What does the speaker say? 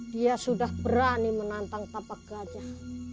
dia sudah berani menantang tapak gajah